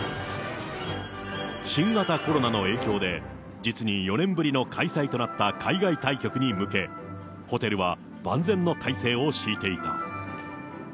新型コロナの影響で、実に４年ぶりの開催となった海外対局に向け、ホテルは万全の態勢を敷いていた。